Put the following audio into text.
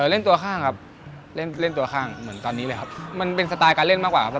เล่นตัวข้างครับเล่นเล่นตัวข้างเหมือนตอนนี้เลยครับมันเป็นสไตล์การเล่นมากกว่าครับ